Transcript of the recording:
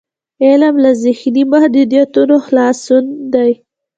علم له ذهني محدودیتونو خلاصون دی.